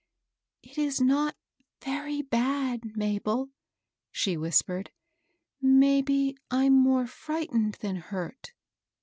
" It is not very bad, Mabel," she whispered. " Maybe I'm more frightened than hurt."